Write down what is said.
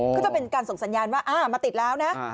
ก็จะเป็นการส่งสัญญาณว่ามาติดแล้วนะ